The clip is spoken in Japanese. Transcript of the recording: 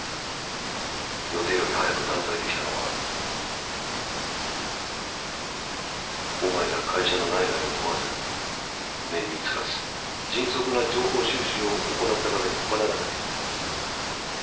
予定より早く断罪できたのはお前が会社の内外を問わず綿密かつ迅速な情報収集を行ったからに他ならない。